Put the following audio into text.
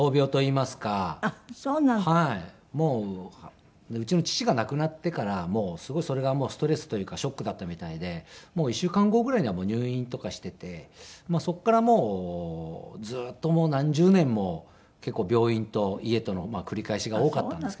もううちの父が亡くなってからすごいそれがストレスというかショックだったみたいで１週間後ぐらいには入院とかしていてそこからもうずっと何十年も結構病院と家との繰り返しが多かったんですけどね。